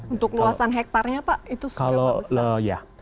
untuk luasan hektarnya pak itu seberapa besar